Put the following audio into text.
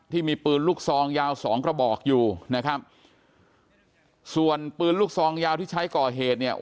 ที่มีปืนลูกซองยาวสองกระบอกอยู่นะครับส่วนปืนลูกซองยาวที่ใช้ก่อเหตุเนี่ย